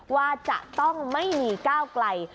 ว่าจะต้องไม่มีก้าวไกล